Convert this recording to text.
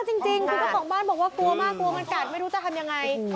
เย็นมากจริงดูข้าวของบ้านบอกว่ากลัวมากกลัวการกัดไม่รู้จะทำอย่างไร